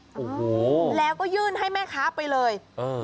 โอ้โหแล้วก็ยื่นให้แม่ค้าไปเลยเออ